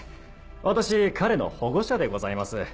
私彼の保護者でございます